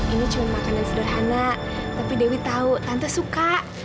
ini cuma makanan sederhana tapi dewi tahu tante suka